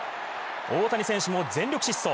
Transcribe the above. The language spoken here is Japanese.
大谷選手も全力疾走。